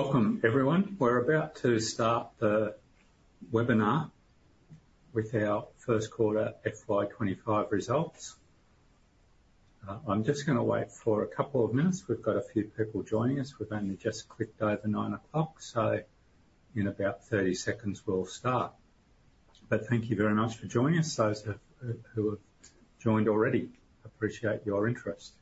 Welcome, everyone. We're about to start the webinar with our First Quarter FY 2025 results. I'm just gonna wait for a couple of minutes. We've got a few people joining us. We've only just clicked over 9:00 A.M., so in about 30 seconds, we'll start. But thank you very much for joining us, those of who have joined already. Appreciate your interest.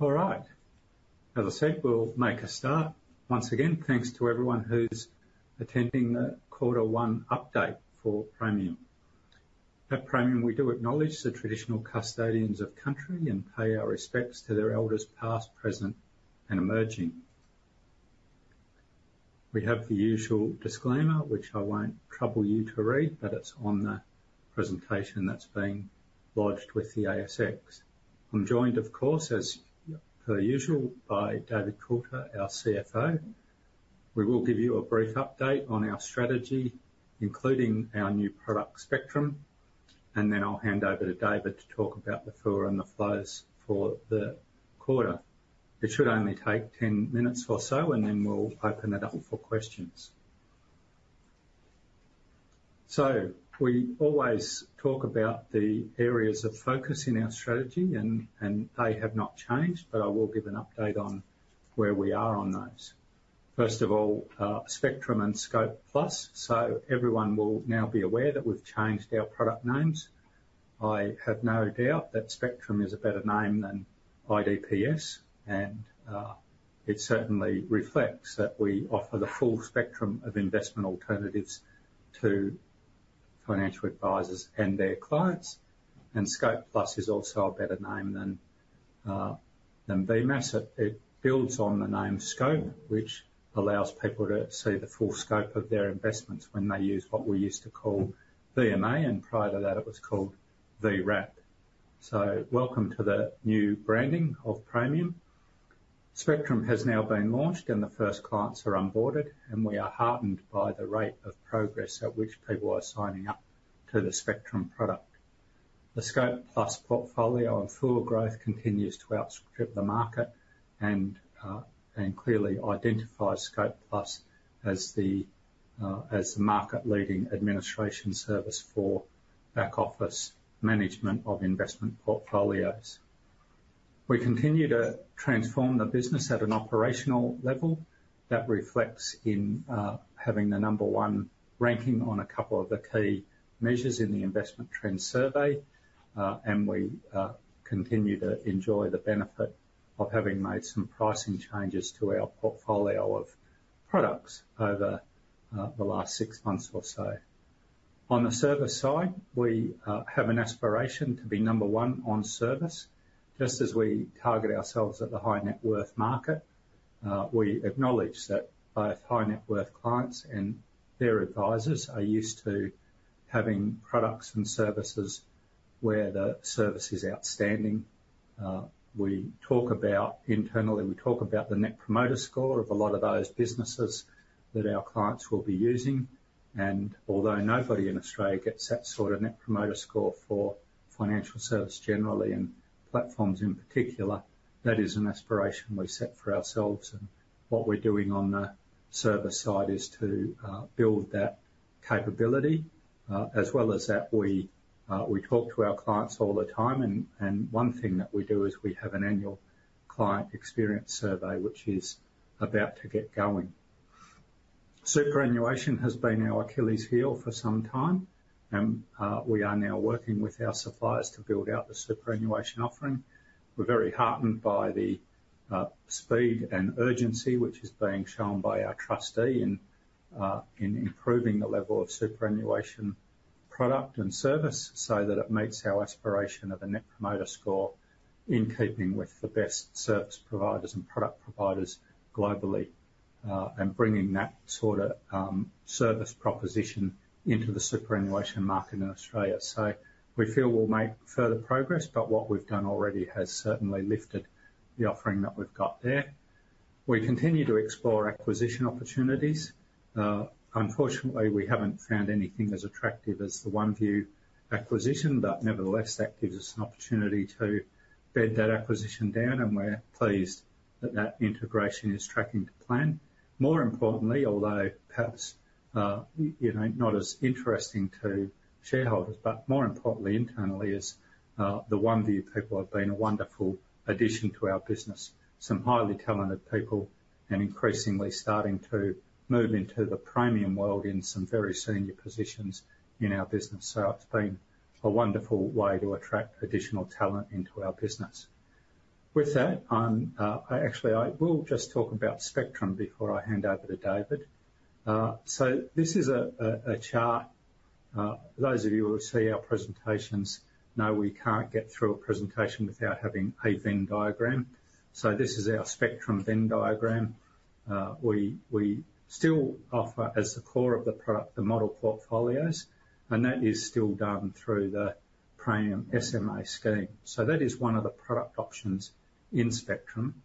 All right. As I said, we'll make a start. Once again, thanks to everyone who's attending the Q1 update for Praemium. At Praemium, we do acknowledge the traditional custodians of Country and pay our respects to their elders, past, present, and emerging. We have the usual disclaimer, which I won't trouble you to read, but it's on the presentation that's been lodged with the ASX. I'm joined of course as per usual by David Coulter, our CFO. We will give you a brief update on our strategy, including our new product Spectrum, and then I'll hand over to David to talk about the FUA and the flows for the quarter. It should only take ten minutes or so, and then we'll open it up for questions. So we always talk about the areas of focus in our strategy and they have not changed, but I will give an update on where we are on those. First of all, Spectrum and Scope Plus. So everyone will now be aware that we've changed our product names. I have no doubt that Spectrum is a better name than IDPS, and it certainly reflects that we offer the full spectrum of investment alternatives to financial advisors and their clients. And Scope Plus is also a better name than VMaaS. It builds on the name Scope, which allows people to see the full scope of their investments when they use what we used to call VMA, and prior to that, it was called V-Wrap. So welcome to the new branding of Praemium. Spectrum has now been launched and the first clients are onboarded, and we are heartened by the rate of progress at which people are signing up to the Spectrum product. The Scope Plus portfolio and FUA growth continues to outstrip the market and clearly identifies Scope Plus as the market-leading administration service for back-office management of investment portfolios. We continue to transform the business at an operational level. That reflects in having the number-one ranking on a couple of the key measures in the Investment Trends survey. We continue to enjoy the benefit of having made some pricing changes to our portfolio of products over the last six months or so. On the service side, we have an aspiration to be number one on service, just as we target ourselves at the high net worth market. We acknowledge that both high net worth clients and their advisors are used to having products and services where the service is outstanding. Internally, we talk about the Net Promoter Score of a lot of those businesses that our clients will be using, and although nobody in Australia gets that sort of Net Promoter Score for financial service generally, and platforms in particular, that is an aspiration we've set for ourselves, and what we're doing on the service side is to build that capability. As well as that, we talk to our clients all the time, and one thing that we do is we have an annual client experience survey, which is about to get going. Superannuation has been our Achilles heel for some time, and we are now working with our suppliers to build out the superannuation offering. We're very heartened by the speed and urgency, which is being shown by our trustee in improving the level of superannuation product and service, so that it meets our aspiration of a Net Promoter Score, in keeping with the best service providers and product providers globally, and bringing that sort of service proposition into the superannuation market in Australia. So we feel we'll make further progress, but what we've done already has certainly lifted the offering that we've got there. We continue to explore acquisition opportunities. Unfortunately, we haven't found anything as attractive as the OneVue acquisition, but nevertheless, that gives us an opportunity to bed that acquisition down, and we're pleased that that integration is tracking to plan. More importantly, although perhaps, you know, not as interesting to shareholders, but more importantly internally is, the OneVue people have been a wonderful addition to our business. Some highly talented people, and increasingly starting to move into the Praemium world in some very senior positions in our business. So it's been a wonderful way to attract additional talent into our business. With that, I actually will just talk about Spectrum before I hand over to David. So this is a chart. Those of you who have seen our presentations know we can't get through a presentation without having a Venn diagram. This is our Spectrum Venn diagram. We still offer, as the core of the product, the model portfolios, and that is still done through the Praemium SMA scheme. That is one of the product options in Spectrum.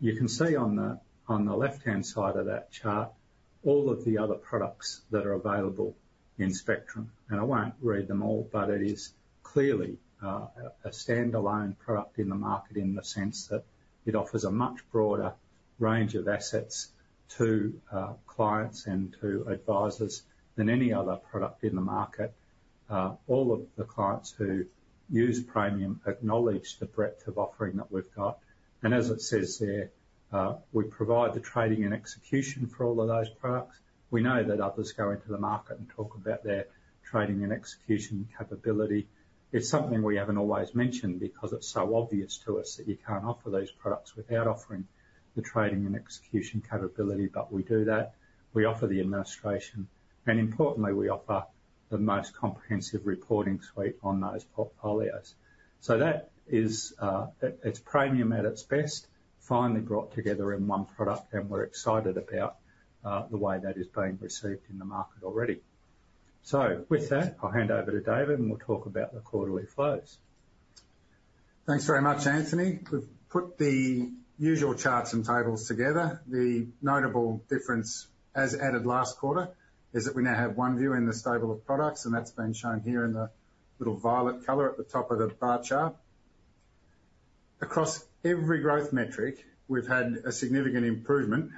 You can see on the left-hand side of that chart, all of the other products that are available in Spectrum. I won't read them all, but it is clearly a standalone product in the market, in the sense that it offers a much broader range of assets to clients and to advisors than any other product in the market. All of the clients who use Praemium acknowledge the breadth of offering that we've got. And as it says there, we provide the trading and execution for all of those products. We know that others go into the market and talk about their trading and execution capability. It's something we haven't always mentioned, because it's so obvious to us that you can't offer those products without offering the trading and execution capability. But we do that. We offer the administration, and importantly, we offer the most comprehensive reporting suite on those portfolios. So that is, it's Praemium at its best, finally brought together in one product, and we're excited about the way that is being received in the market already. So with that, I'll hand over to David, and we'll talk about the quarterly flows. Thanks very much, Anthony. We've put the usual charts and tables together. The notable difference, as added last quarter, is that we now have OneVue in the stable of products, and that's been shown here in the little violet color at the top of the bar chart. Across every growth metric, we've had a significant improvement,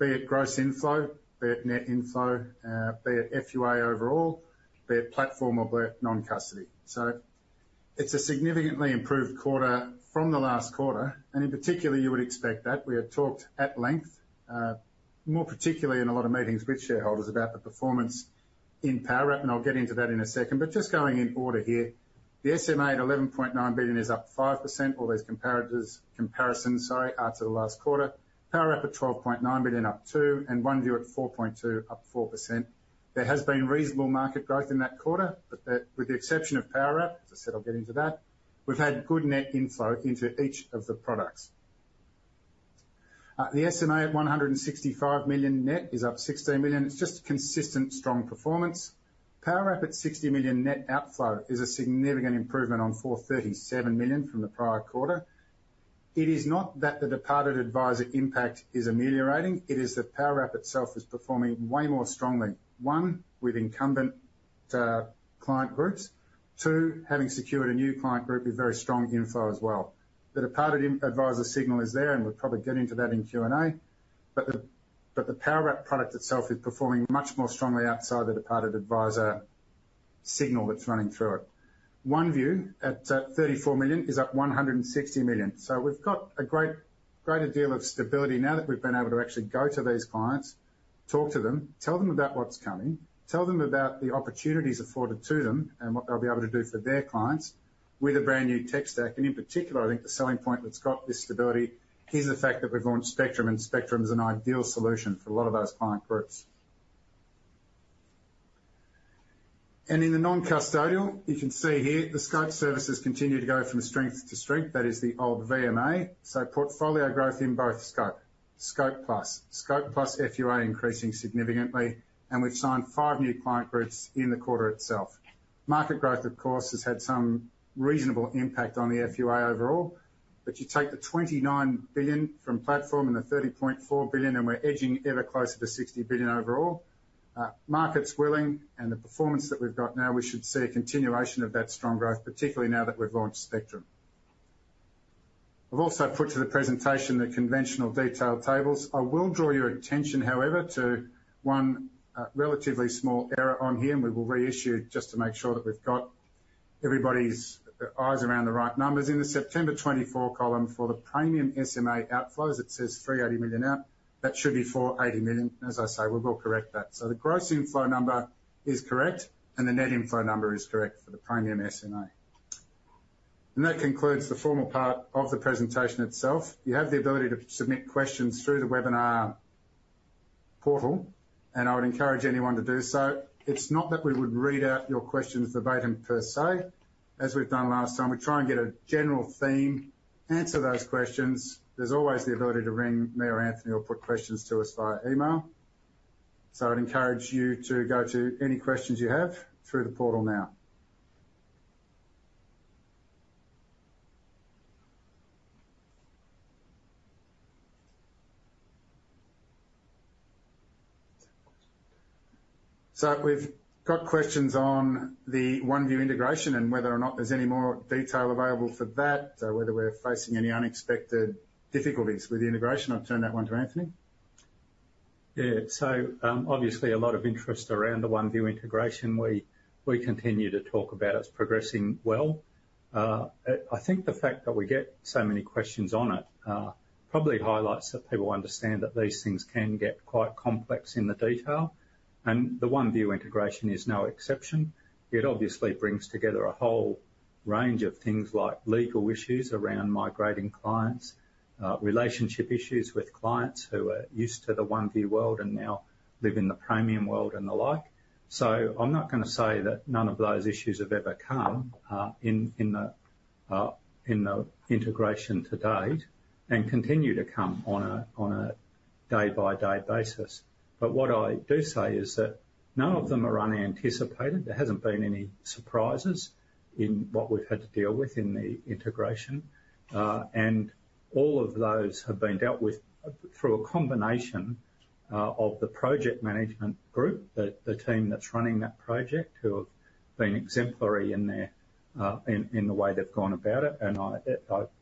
be it gross inflow, be it net inflow, be it FUA overall, be it platform or be it non-custody. So it's a significantly improved quarter from the last quarter, and in particular, you would expect that. We have talked at length, more particularly in a lot of meetings with shareholders, about the performance in Powerwrap, and I'll get into that in a second. But just going in order here, the SMA at 11.9 billion is up 5%. All those comparatives, comparisons, sorry, are to the last quarter. Powerwrap at 12.9 billion, up 2%, and OneVue at 4.2 billion, up 4%. There has been reasonable market growth in that quarter, but with the exception of Powerwrap, as I said, I'll get into that, we've had good net inflow into each of the products. The SMA at 165 million net, is up 16 million. It's just consistent, strong performance. Powerwrap at 60 million net outflow, is a significant improvement on 437 million from the prior quarter. It is not that the departed advisor impact is ameliorating, it is that Powerwrap itself is performing way more strongly, one, with incumbent, client groups, two, having secured a new client group with very strong inflow as well. The departed advisor signal is there, and we'll probably get into that in Q&A, but but the Powerwrap product itself is performing much more strongly outside the departed advisor signal that's running through it. OneVue, at 34 million, is up 160 million. So we've got a greater deal of stability now that we've been able to actually go to these clients, talk to them, tell them about what's coming, tell them about the opportunities afforded to them and what they'll be able to do for their clients with a brand-new tech stack. And in particular, I think the selling point that's got this stability is the fact that we've launched Spectrum, and Spectrum is an ideal solution for a lot of those client groups. And in the non-custodial, you can see here, the Scope services continue to go from strength to strength. That is the old VMA, so portfolio growth in both Scope, Scope Plus, Scope Plus FUA increasing significantly, and we've signed five new client groups in the quarter itself. Market growth, of course, has had some reasonable impact on the FUA overall, but you take the 29 billion from platform and the 30.4 billion, and we're edging ever closer to 60 billion overall. Market's willing, and the performance that we've got now, we should see a continuation of that strong growth, particularly now that we've launched Spectrum. I've also put to the presentation the conventional detailed tables. I will draw your attention, however, to one relatively small error on here, and we will reissue it just to make sure that we've got everybody's eyes around the right numbers. In the September 2024 column, for the Praemium SMA outflows, it says 380 million out. That should be 480 million. As I say, we will correct that, so the gross inflow number is correct, and the net inflow number is correct for the Praemium SMA, and that concludes the formal part of the presentation itself. You have the ability to submit questions through the webinar portal, and I would encourage anyone to do so. It's not that we would read out your questions verbatim per se, as we've done last time. We try and get a general theme, answer those questions. There's always the ability to ring me or Anthony or put questions to us via email, so I'd encourage you to go to any questions you have through the portal now, so we've got questions on the OneVue integration and whether or not there's any more detail available for that, so whether we're facing any unexpected difficulties with the integration. I'll turn that one to Anthony. Yeah. So, obviously, a lot of interest around the OneVue integration. We continue to talk about it's progressing well. I think the fact that we get so many questions on it probably highlights that people understand that these things can get quite complex in the detail, and the OneVue integration is no exception. It obviously brings together a whole range of things like legal issues around migrating clients, relationship issues with clients who are used to the OneVue world and now live in the Praemium world and the like. So I'm not gonna say that none of those issues have ever come in the integration to date, and continue to come on a day-by-day basis. But what I do say is that none of them are unanticipated. There hasn't been any surprises in what we've had to deal with in the integration, and all of those have been dealt with through a combination of the project management group, the team that's running that project, who have been exemplary in their in the way they've gone about it. And I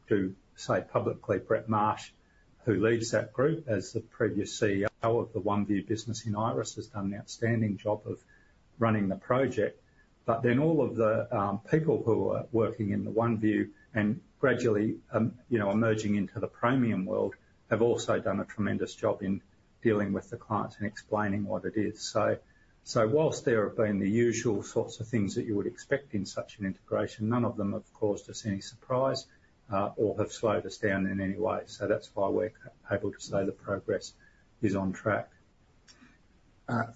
do say publicly, Brett Marsh, who leads that group, as the previous CEO of the OneVue business in Iress, has done an outstanding job of running the project. But then all of the people who are working in the OneVue and gradually, you know, emerging into the Praemium world, have also done a tremendous job in dealing with the clients and explaining what it is. While there have been the usual sorts of things that you would expect in such an integration, none of them have caused us any surprise, or have slowed us down in any way. That's why we're able to say the progress is on track.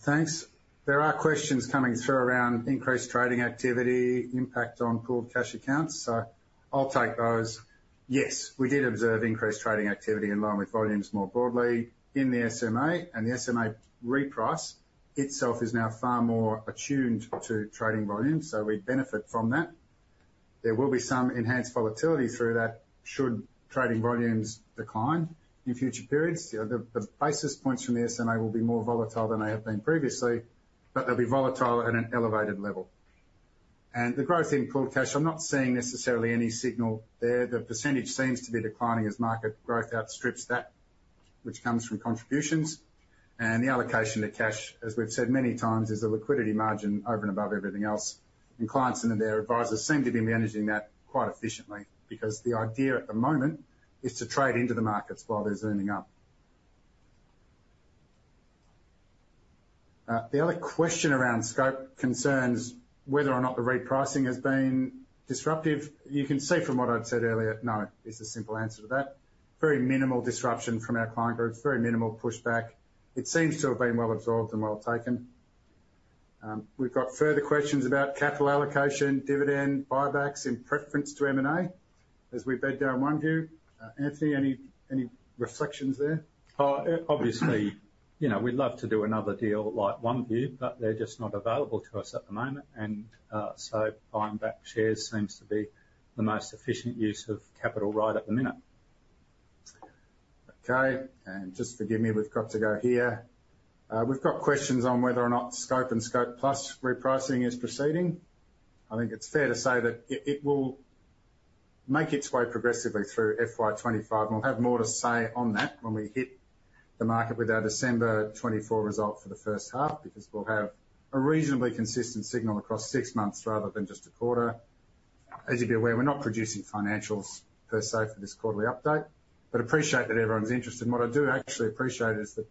Thanks. There are questions coming through around increased trading activity, impact on pooled cash accounts, so I'll take those. Yes, we did observe increased trading activity, along with volumes more broadly in the SMA, and the SMA reprice itself is now far more attuned to trading volumes, so we benefit from that. There will be some enhanced volatility through that should trading volumes decline in future periods. You know, the basis points from the SMA will be more volatile than they have been previously, but they'll be volatile at an elevated level. And the growth in pooled cash, I'm not seeing necessarily any signal there. The percentage seems to be declining as market growth outstrips that which comes from contributions. And the allocation to cash, as we've said many times, is a liquidity margin over and above everything else. And clients and their advisors seem to be managing that quite efficiently, because the idea at the moment is to trade into the markets while they're zooming up. The other question around Scope concerns whether or not the repricing has been disruptive. You can see from what I'd said earlier, no, is the simple answer to that. Very minimal disruption from our client groups, very minimal pushback. It seems to have been well absorbed and well taken. We've got further questions about capital allocation, dividend, buybacks, in preference to M&A, as we bed down OneVue. Anthony, any reflections there? Oh, obviously, you know, we'd love to do another deal like OneVue, but they're just not available to us at the moment, and so buying back shares seems to be the most efficient use of capital right at the minute. Okay, and just forgive me, we've got to go here. We've got questions on whether or not Scope and Scope Plus repricing is proceeding. I think it's fair to say that it, it will make its way progressively through FY25, and we'll have more to say on that when we hit the market with our December 2024 result for the H1, because we'll have a reasonably consistent signal across six months rather than just a quarter. As you'll be aware, we're not producing financials per se for this quarterly update, but appreciate that everyone's interested. What I do actually appreciate is that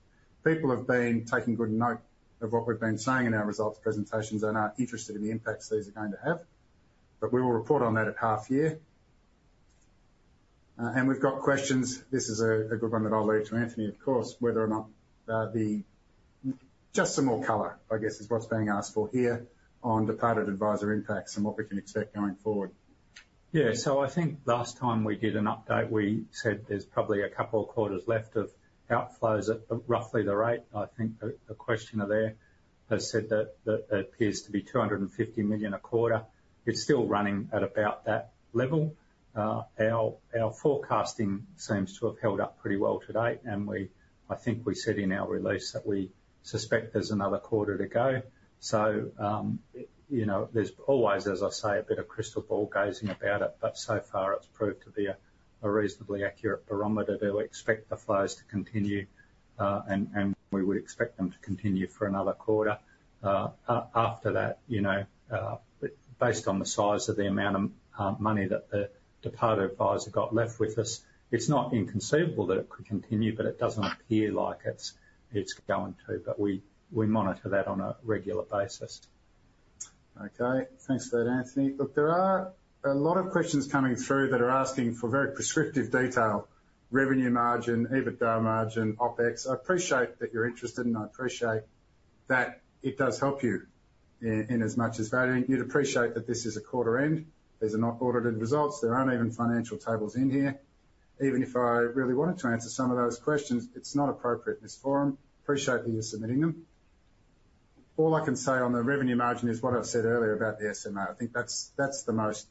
people have been taking good note of what we've been saying in our results presentations and are interested in the impacts these are going to have. But we will report on that at half year, and we've got questions. This is a good one that I'll leave to Anthony, of course, whether or not. Just some more color, I guess, is what's being asked for here on departed advisor impacts and what we can expect going forward. Yeah. So I think last time we did an update, we said there's probably a couple of quarters left of outflows at roughly the rate. I think the questioner there has said that there appears to be 250 million a quarter. It's still running at about that level. Our forecasting seems to have held up pretty well to date, and I think we said in our release that we suspect there's another quarter to go. You know, there's always, as I say, a bit of crystal ball gazing about it, but so far it's proved to be a reasonably accurate barometer that we expect the flows to continue, and we would expect them to continue for another quarter. After that, you know, based on the size of the amount of money that the departed advisor got left with us, it's not inconceivable that it could continue, but it doesn't appear like it's going to. But we monitor that on a regular basis. Okay. Thanks for that, Anthony. Look, there are a lot of questions coming through that are asking for very prescriptive detail, revenue margin, EBITDA margin, OpEx. I appreciate that you're interested, and I appreciate that it does help you in as much as valuing. You'd appreciate that this is a quarter end. These are not audited results. There aren't even financial tables in here. Even if I really wanted to answer some of those questions, it's not appropriate in this forum. Appreciate that you're submitting them. All I can say on the revenue margin is what I've said earlier about the SMA. I think that's the most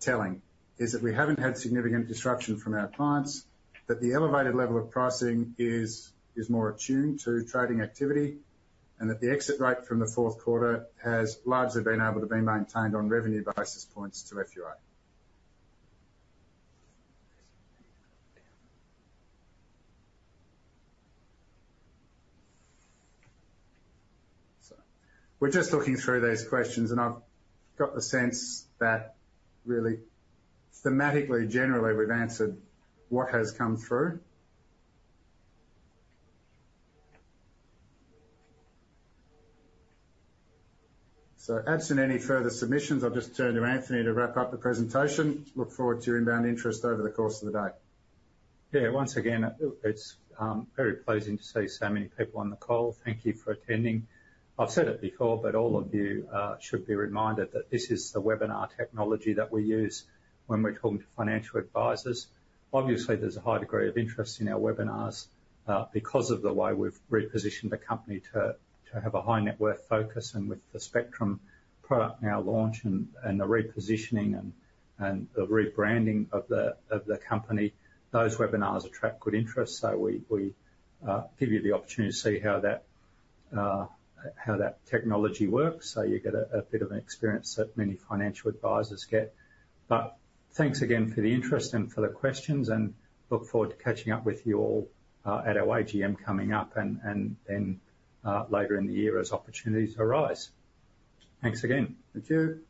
telling, is that we haven't had significant disruption from our clients, that the elevated level of pricing is more attuned to trading activity, and that the exit rate from the fourth quarter has largely been able to be maintained on revenue basis points to FUA. So we're just looking through these questions, and I've got the sense that really, thematically, generally, we've answered what has come through. So absent any further submissions, I'll just turn to Anthony to wrap up the presentation. Look forward to your inbound interest over the course of the day. Yeah, once again, it's very pleasing to see so many people on the call. Thank you for attending. I've said it before, but all of you should be reminded that this is the webinar technology that we use when we're talking to financial advisors. Obviously, there's a high degree of interest in our webinars because of the way we've repositioned the company to have a high net worth focus. And with the Spectrum product now launched and the repositioning and the rebranding of the company, those webinars attract good interest. So we give you the opportunity to see how that technology works, so you get a bit of an experience that many financial advisors get. But thanks again for the interest and for the questions, and look forward to catching up with you all at our AGM coming up, and then later in the year as opportunities arise. Thanks again. Thank you.